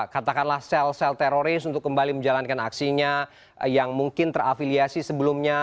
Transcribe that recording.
katakanlah sel sel teroris untuk kembali menjalankan aksinya yang mungkin terafiliasi sebelumnya